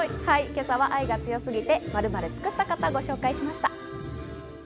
今朝は愛が強すぎて○○作っちゃった方、ご紹介しました。